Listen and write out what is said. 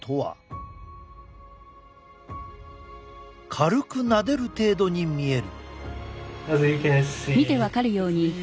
軽くなでる程度に見える。